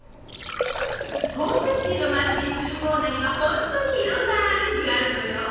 コンフェッティの町スルモーナには本当にいろんなアレンジがあるのよ。